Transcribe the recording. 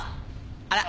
あら？